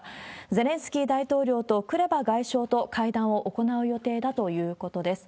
ゼレンスキー大統領とクレバ外相と会談を行う予定だということです。